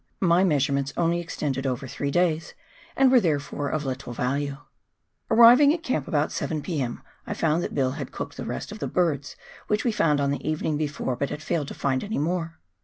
My measurements only extended over three days, and were there fore of little value. Arriving at camp about 7 p.m., I found that Bill had cooked the rest of the birds which we found the evening before, but had failed to find any more.